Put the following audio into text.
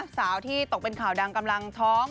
สาวที่ตกเป็นข่าวดังกำลังท้อง